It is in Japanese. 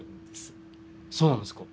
そうなんですか。